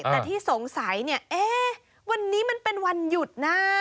แต่ที่สงสัยวันนี้มันเป็นวันหยุดนะ